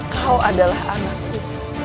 kau adalah anakku